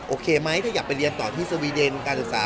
โอเคไหมถ้าอยากไปเรียนต่อที่สวีเดนการศึกษา